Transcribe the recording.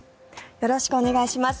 よろしくお願いします。